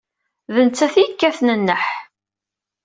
D nettat ay yekkaten nneḥ.